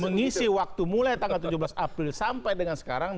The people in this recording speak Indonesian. mengisi waktu mulai tanggal tujuh belas april sampai dengan sekarang